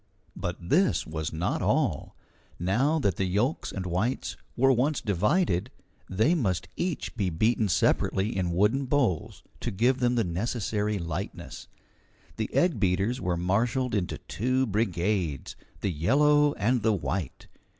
But this was not all. Now that the yolks and whites were once divided, they must each be beaten separately in wooden bowls, to give them the necessary lightness. The egg beaters were marshalled into two brigades, the yellow and the white.